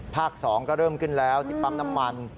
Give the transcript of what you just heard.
ภาคสองก็เริ่มขึ้นแล้วนิปั๊มน้ำมัน